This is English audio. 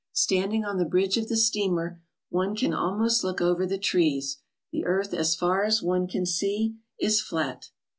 Standing on the bridge of the steamer, one can almost look over the trees. The earth as far as one can see is flat.